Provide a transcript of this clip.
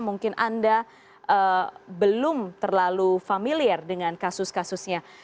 mungkin anda belum terlalu familiar dengan kasus kasusnya